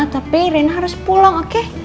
tapi reinhard harus pulang oke